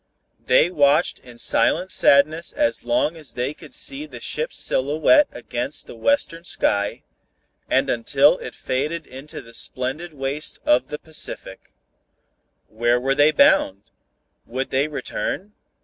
They watched in silent sadness as long as they could see the ship's silhouette against the western sky, and until it faded into the splendid waste of the Pacific. Where were they bound? Would they return?